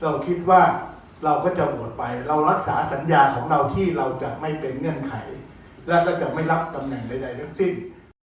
เราคิดว่าเราก็จะหมดไปเรารักษาสัญญาของเราที่เราจะไม่เป็นเงื่อนไขและก็จะไม่รับตำแหน่งใดทั้งสิ้น